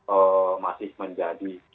ee masih menjadi